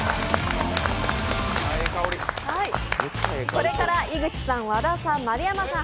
これから井口さん、和田さん、丸山さん